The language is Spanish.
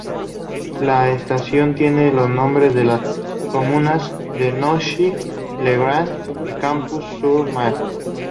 La estación tiene los nombre de las comunas de Noisy-le-Grand y Champs-sur-Marne.